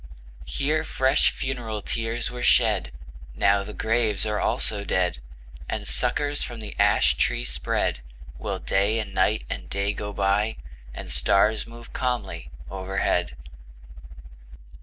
Here fresh funeral tears were shed; Now the graves are also dead; And suckers from the ash tree spread, While Day and Night and Day go by; And stars move calmly overhead.